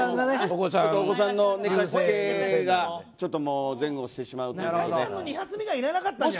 お子さんの寝かしつけがちょっと前後してしまうということで。